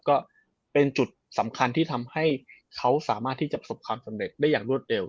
ก็เป็นจุดสำคัญที่ทำให้เขาสามารถที่จะประสบความสำเร็จได้อย่างรวดเร็ว